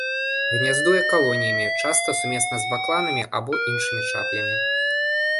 Гняздуе калоніямі, часта сумесна з бакланамі або іншымі чаплямі.